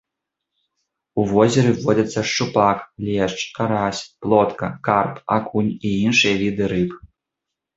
У возеры водзяцца шчупак, лешч, карась, плотка, карп, акунь і іншыя віды рыб.